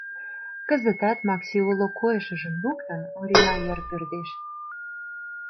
Кызытат Макси, уло койышыжым луктын, Орина йыр пӧрдеш.